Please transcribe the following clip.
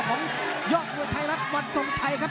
ของยอดมือไทยลักษณ์วัดสงชัยครับ